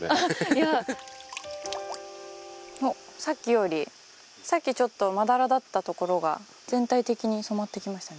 おっさっきよりさっきちょっとまだらだったところが全体的に染まってきましたね